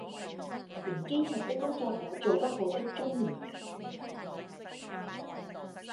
連基層的工作也做不好的中年人